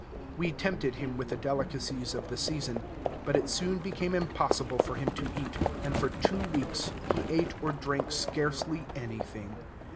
We tempted him with the delicacies of the season, but it soon became impossible for him to eat, and for two weeks he ate or drank scarcely anything.